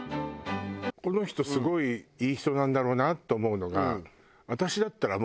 この人すごいいい人なんだろうなって思うのが。